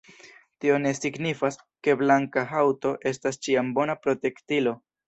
Tio ne signifas, ke blanka haŭto estas ĉiam bona protektilo.